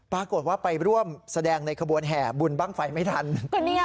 ปรากฏว่าไปร่วมแสดงในขบวนแห่บุญบ้างไฟไม่ทัน